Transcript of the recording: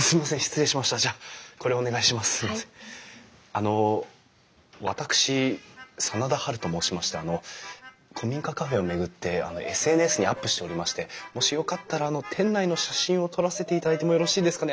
あの私真田ハルと申しましてあの古民家カフェを巡ってＳＮＳにアップしておりましてもしよかったら店内の写真を撮らせていただいてもよろしいですかね？